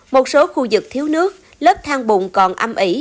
một số khu vực thiếu nước lớp thang bùn còn âm ỉ